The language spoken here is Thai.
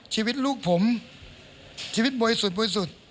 ชีวิตลูกผมชีวิตบ่อยสุด